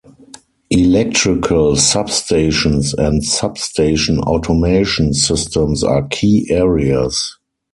Electrical substations and substation automation systems are key areas.